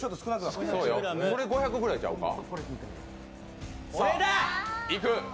それ、５００ぐらいちゃうか。